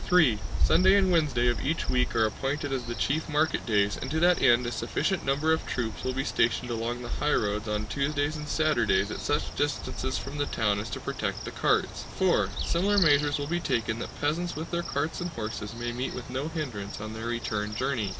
(3) Sunday and Wednesday of each week are appointed as the chief market days and to that end a sufficient number of troops will be stationed along the highroads on Tuesdays and Saturdays at such distances from the town as to protect the carts. (4) Similar measures will be taken that peasants with their carts and horses may meet with no hindrance on their return journey.